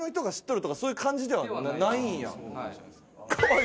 はい。